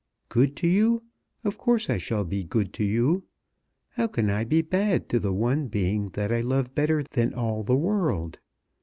Good to you! Of course I shall be good to you! How can I be bad to the one being that I love better than all the world?